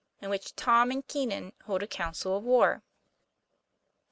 IN WHICH TOM AND KEEN AN HOLD A COUNCIL OF WAR.